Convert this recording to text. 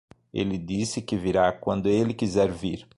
Ele disse que virá quando ele quiser vir.